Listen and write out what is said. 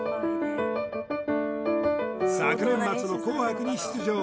昨年末の紅白に出場